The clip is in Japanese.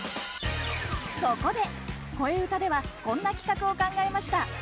そこで「こえうた」ではこんな企画を考えました。